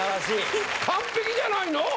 完璧じゃないの？